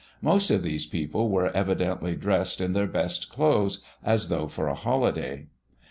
Most of these people were evidently dressed in their best clothes, as though for a holiday.